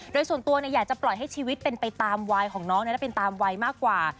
โดยส่วนตัวอยากจะปล่อยให้ชีวิตเป็นไปตามวายของน้องและเป็นตามวัยมากกว่า